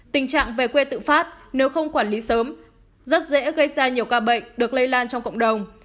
tình trạng về quê tự phát nếu không quản lý sớm rất dễ gây ra nhiều ca bệnh được lây lan trong cộng đồng